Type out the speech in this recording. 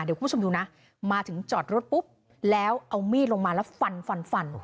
เดี๋ยวคุณผู้ชมดูนะมาถึงจอดรถปุ๊บแล้วเอามีดลงมาแล้วฟันฟันฟัน